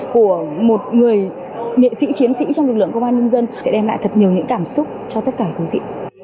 của một người nghệ sĩ chiến sĩ trong lực lượng công an nhân dân sẽ đem lại thật nhiều những cảm xúc cho tất cả quý vị